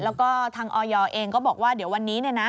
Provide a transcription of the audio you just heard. แล้วก็ทางออยเองก็บอกว่าเดี๋ยววันนี้